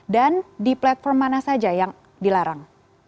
dan di platform mana saja yang dilarang